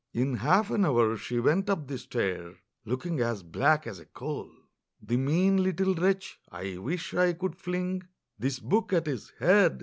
In half an hour she went up the stair, Looking as black as a coal! "The mean little wretch, I wish I could fling This book at his head!"